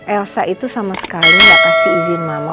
elsa itu sama sekali gak kasih izin mama